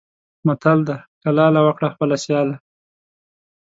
متل دی: کلاله! وکړه خپله سیاله.